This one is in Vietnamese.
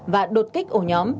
và đột kích ổ nhóm